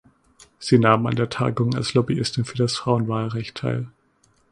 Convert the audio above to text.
Sie nahm an der Tagung als Lobbyistin für das Frauenwahlrecht teil.